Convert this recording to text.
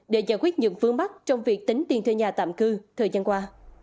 để giải quyết những phương mắc trong việc tính tiền thuê nhà tạm cư thời gian qua